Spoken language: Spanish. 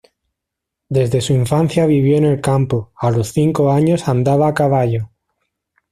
Desde su infancia vivió en el campo, a los cinco años andaba a caballo.